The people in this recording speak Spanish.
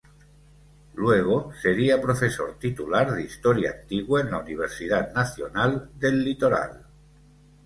Luego sería Profesor Titular de Historia antigua en la Universidad Nacional del Litoral.